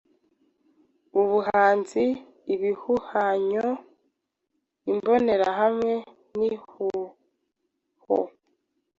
ubuhanzi, ibihuhanyo, imbonerahamwe nihuho